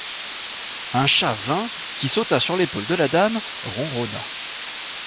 Un chat vint qui sauta sur l'épaule de la dame, ronronna.